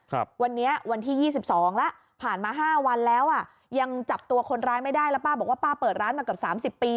ครับวันนี้วันที่ยี่สิบสองแล้วผ่านมาห้าวันแล้วอ่ะยังจับตัวคนร้ายไม่ได้แล้วป้าบอกว่าป้าเปิดร้านมาเกือบสามสิบปี